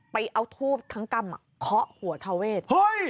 ไปเอาทูพทั้งต่ำคะหัวทเวท